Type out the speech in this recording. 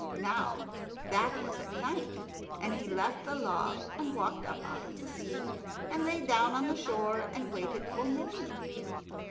Now that was at night, and he left the log and walked up out of the sea, and lay down on the shore and waited for morning.